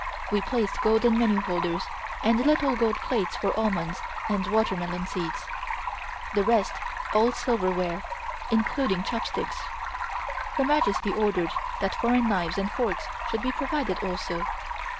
We placed golden menu holders and little gold plates for almonds and watermelon seeds; the rest all silver ware, including chopsticks. Her Majesty ordered that foreign knives and forks should be provided also.